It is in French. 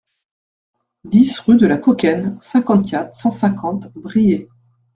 dix rue de la Kaukenne, cinquante-quatre, cent cinquante, Briey